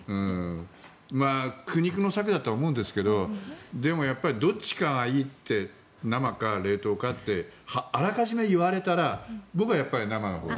苦肉の策だとは思うんですがでもどっちかがいいって生か冷凍かってあらかじめ言われたら僕はやっぱり生のほうが。